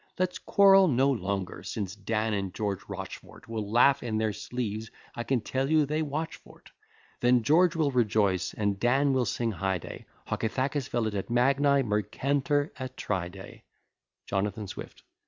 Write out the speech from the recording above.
Let's quarrel no longer, since Dan and George Rochfort Will laugh in their sleeves: I can tell you they watch for't. Then George will rejoice, and Dan will sing highday: Hoc Ithacus velit, et magni mercentur Atridae. JON. SWIFT.